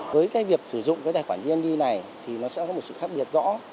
với cái việc sử dụng cái tài khoản vned này thì nó sẽ có một sự khác biệt rõ